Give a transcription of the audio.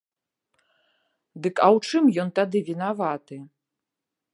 Дык а ў чым ён тады вінаваты?